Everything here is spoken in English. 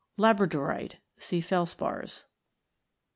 Labradorite. See Felspars.